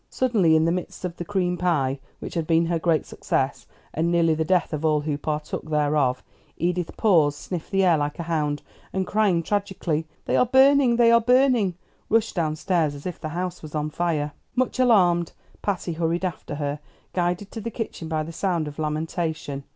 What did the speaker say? Suddenly, in the midst of the cream pie which had been her great success, and nearly the death of all who partook thereof, Edith paused, sniffed the air like a hound, and crying tragically, "They are burning! They are burning!" rushed down stairs as if the house was on fire. Much alarmed, Patty hurried after her, guided to the kitchen by the sound of lamentation.